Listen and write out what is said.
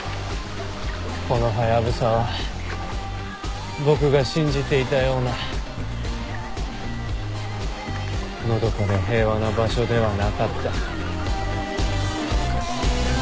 このハヤブサは僕が信じていたようなのどかで平和な場所ではなかった。